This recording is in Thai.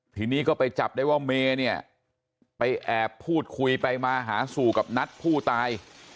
ทีนี้ก็ไปจับได้ว่าเมย์เนี่ยไปแอบพูดคุยไปมาหาสู่กับนัทผู้ตาย